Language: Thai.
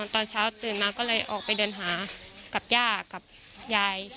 ตอนเช้าตื่นมาก็เลยออกไปเดินหากับย่ากับยาย